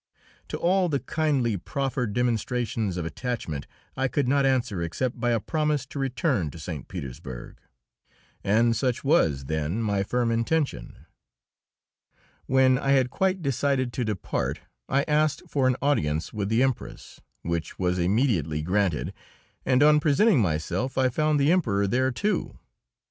To all the kindly proffered demonstrations of attachment I could not answer except by a promise to return to St. Petersburg. And such was then my firm intention. When I had quite decided to depart I asked for an audience with the Empress, which was immediately granted, and on presenting myself I found the Emperor there, too.